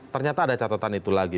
ternyata ada catatan itu lagi